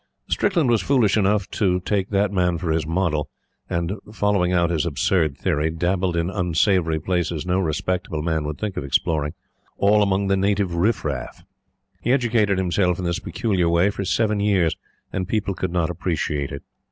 Strickland was foolish enough to take that man for his model; and, following out his absurd theory, dabbled in unsavory places no respectable man would think of exploring all among the native riff raff. He educated himself in this peculiar way for seven years, and people could not appreciate it.